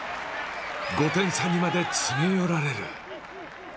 ５点差にまで詰め寄られる。